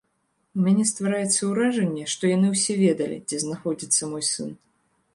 У мяне ствараецца ўражанне, што яны ўсе ведалі, дзе знаходзіцца мой сын.